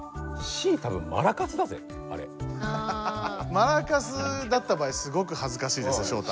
マラカスだった場合すごくはずかしいですよショウタ。